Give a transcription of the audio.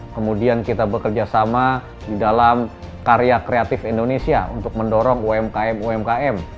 kemudian kita bekerja sama di dalam karya kreatif indonesia untuk mendorong umkm umkm